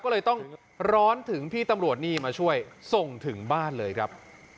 ก็เลยต้องร้อนถึงพี่ตำรวจนี่มาช่วยส่งถึงบ้านเลยครับ